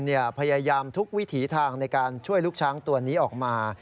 พยายามทุกวิถีทางในการช่วยลูกช้างตัวนี้ออกมา